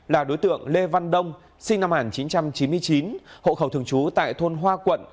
là đối tượng lê văn đông sinh năm một nghìn chín trăm chín mươi chín hộ khẩu thường trú tại thôn hoa quận